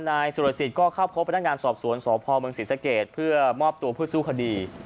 นายสุรสิทธิ์ก็เข้าพบพนักงานสอบสวนสพเมืองศรีสะเกดเพื่อมอบตัวเพื่อสู้คดี